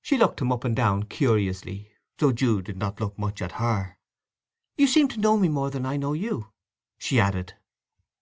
She looked him up and down curiously, though Jude did not look much at her. "You seem to know me more than I know you," she added.